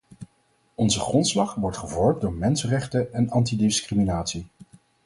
Onze grondslag wordt gevormd door mensenrechten en antidiscriminatie.